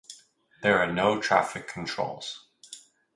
There are no traffic controls.